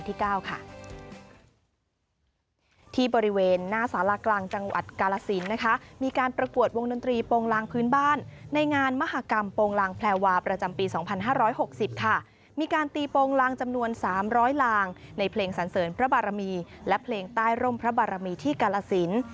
ที่บริเวณหน้าสารากลางจังหวัดกาลสินนะคะมีการประกวดวงดนตรีโปรงลางพื้นบ้านในงานมหากรรมโปรงลางแพลวาประจำปี๒๕๖๐ค่ะมีการตีโปรงลางจำนวน๓๐๐ลางในเพลงสันเสริญพระบารมีและเพลงใต้ร่มพระบารมีที่กาลสิน